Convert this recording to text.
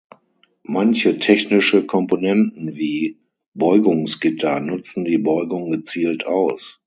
Manche technische Komponenten, wie Beugungsgitter, nutzen die Beugung gezielt aus.